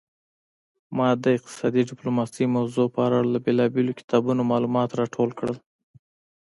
ما د اقتصادي ډیپلوماسي موضوع په اړه له بیلابیلو کتابونو معلومات راټول کړل